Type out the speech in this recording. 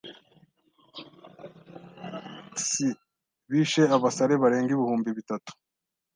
[S] Bishe abasare barenga ibihumbi bitatu. .